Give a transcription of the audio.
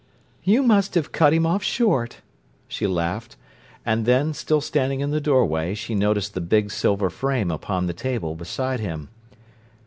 "You must have cut him off short!" she laughed; and then, still standing in the doorway, she noticed the big silver frame upon the table beside him.